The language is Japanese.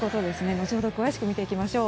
後ほど詳しく見ていきましょう。